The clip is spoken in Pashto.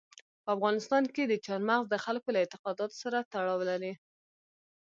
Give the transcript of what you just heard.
په افغانستان کې چار مغز د خلکو له اعتقاداتو سره تړاو لري.